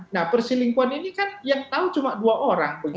nah perselingkuhan ini kan yang tahu cuma dua orang